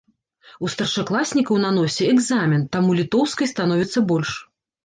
У старшакласнікаў на носе экзамен, таму літоўскай становіцца больш.